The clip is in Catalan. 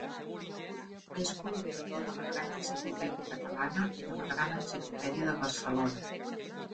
És col·laborador de la Gran Enciclopèdia Catalana i de la Gran Enciclopèdia de Barcelona.